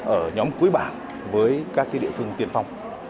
ở nhóm cuối bảng với các địa phương tiên phong